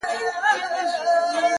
يارانو مخ ورځني پټ کړئ گناه کاره به سئ!